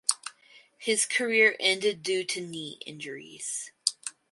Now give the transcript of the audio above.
His career ended due to knee injuries.